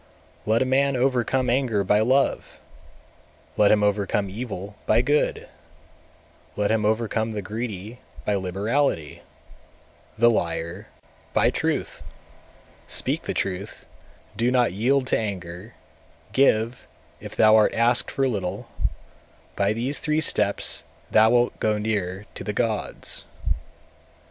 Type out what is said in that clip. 223. Let a man overcome anger by love, let him overcome evil by good; let him overcome the greedy by liberality, the liar by truth! 224. Speak the truth, do not yield to anger; give, if thou art asked for little; by these three steps thou wilt go near the gods.